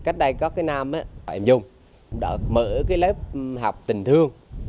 cách đây có cái nam em dung mở cái lớp học tình thương